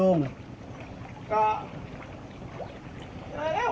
อ๋อของพี่ก็มีใช่ไหม